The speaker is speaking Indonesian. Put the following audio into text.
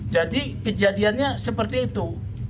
jadi kejadiannya seperti itu